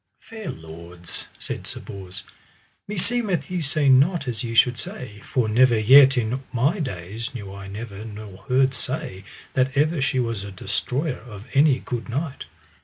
Fair lords, said Sir Bors, meseemeth ye say not as ye should say, for never yet in my days knew I never nor heard say that ever she was a destroyer of any good knight.